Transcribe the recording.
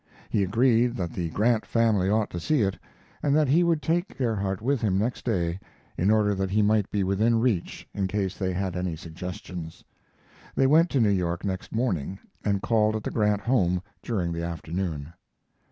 He agreed that the Grant family ought to see it, and that he would take Gerhardt with him next day in order that he might be within reach in case they had any suggestions. They went to New York next morning, and called at the Grant home during the afternoon.